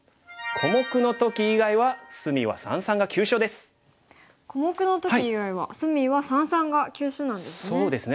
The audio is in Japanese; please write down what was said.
小目の時以外は隅は三々が急所なんですね。